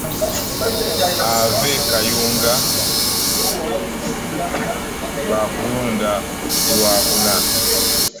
Eve kayunga bakulonda ku lwakuna.